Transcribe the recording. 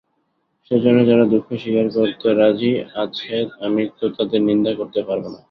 সেজন্যে যারা দুঃখ স্বীকার করতে রাজি আছে আমি তো তাদের নিন্দা করতে পারব না।